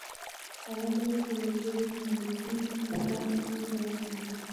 هغه درد چې له ورځنۍ مایوسۍ نه ماته پیدا کېده.